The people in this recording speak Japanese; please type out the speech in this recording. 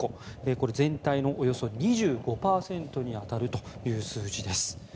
これ、全体のおよそ２５％に当たるという数字です。